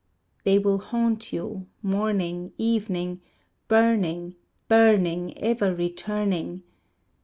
They will haunt you morning, evening, Burning, burning, ever returning.